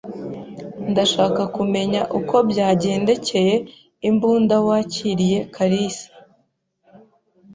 Ndashaka kumenya uko byagendekeye imbunda wakiriye kalisa.